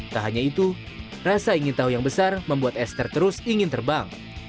tak hanya itu rasa ingin tahu yang besar membuat esther terus ingin terbang